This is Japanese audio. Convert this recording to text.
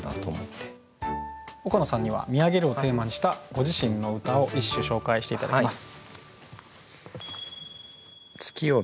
岡野さんには「見上げる」をテーマにしたご自身の歌を一首紹介して頂きます。